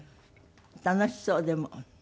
楽しそうでも。